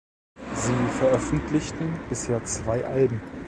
Sie veröffentlichten bisher zwei Alben.